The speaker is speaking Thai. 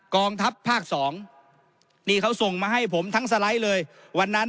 กองทัพภาคสองนี่เขาส่งมาให้ผมทั้งสไลด์เลยวันนั้น